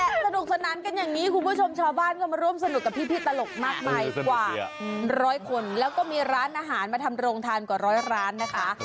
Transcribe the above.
สนุกสนานกันอย่างนี้คุณผู้ชมชาวบ้านก็มาร่วมสนุกกับพี่ตลกมากมายกว่าร้อยคนแล้วก็มีร้านอาหารมาทำโรงทานกว่าร้อยร้านนะคะ